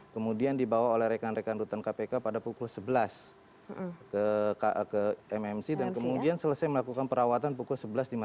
kemudian dibawa oleh rekan rekan rutan kpk pada pukul sebelas ke mmc dan kemudian selesai melakukan perawatan pukul sebelas lima puluh